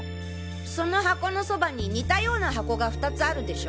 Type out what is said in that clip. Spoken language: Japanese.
その箱のそばに似たような箱が２つあるでしょ？